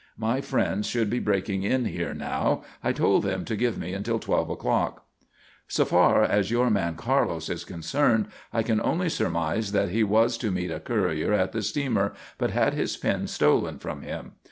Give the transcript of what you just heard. My friends should be breaking in here now. I told them to give me until twelve o'clock. "So far as your man Carlos is concerned, I can only surmise that he was to meet a courier at the steamer, but had his pin stolen from him.